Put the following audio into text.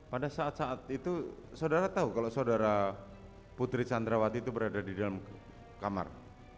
pada saat saat itu saudara tahu kalau saudara putri candrawati itu berada di dalam kamar